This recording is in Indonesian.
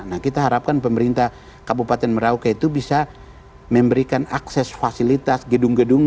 nah kita harapkan pemerintah kabupaten merauke itu bisa memberikan akses fasilitas gedung gedung